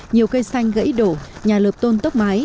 nhiều cây xanh gãy đổ nhà lợp tôn tốc mái